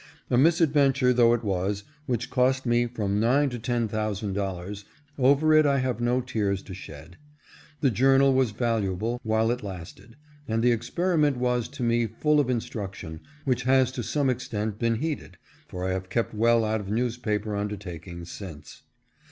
A misadventure though it was, which cost me from nine to ten thousand dollars, over it I have no tears to shed. The journal was valuable while it lasted, and the experiment was to me full of instruction, which has to some extent been heeded, for I have kept well out of newspaper undertakings since.